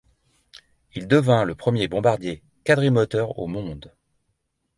Il devint le premier bombardier quadrimoteur au monde.